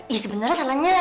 ya sebenarnya salahnya